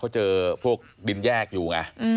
เขาเจอพวกดินแยกอยู่ไง